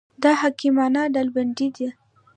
دا حکیمانه ډلبندي ده.